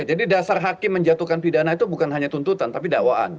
jadi dasar hakim menjatuhkan pidana itu bukan hanya tuntutan tapi dakwaan